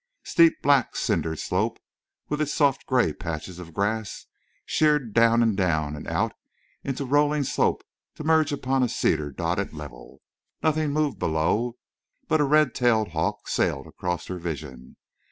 Steep black cindered slope, with its soft gray patches of grass, sheered down and down, and out in rolling slope to merge upon a cedar dotted level. Nothing moved below, but a red tailed hawk sailed across her vision.